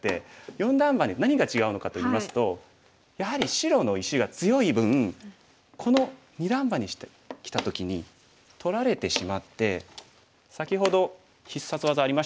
四段バネ何が違うのかといいますとやはり白の石が強い分この二段バネしてきた時に取られてしまって先ほど必殺技ありましたよね。